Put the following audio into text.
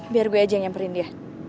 biar gue aja yang nyamperin dia